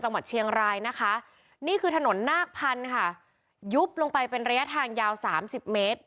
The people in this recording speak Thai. จังหวัดเชียงรายนะคะนี่คือถนนนาคพันธุ์ค่ะยุบลงไปเป็นระยะทางยาวสามสิบเมตร